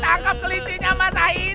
tangkap kelincinya mas sahid